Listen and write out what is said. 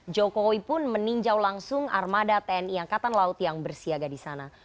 jokowi pun meninjau langsung armada tni angkatan laut yang bersiaga di sana